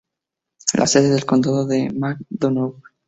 La sede del condado es McDonough.